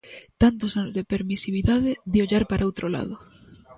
Tantos anos de permisividade, de ollar para outro lado.